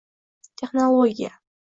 Texnologiya